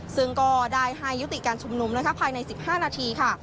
ซึ่งก็ได้ให้ยุติการชุมนุมภายใน๑๕นาทีค่ะ